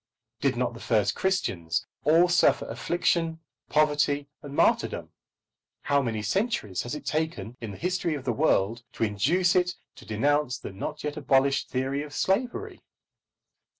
Did not the first Christians all suffer affliction, poverty, and martyrdom? How many centuries has it taken in the history of the world to induce it to denounce the not yet abolished theory of slavery?